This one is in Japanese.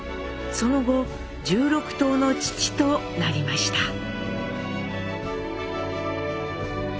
その後１６頭の父となりました。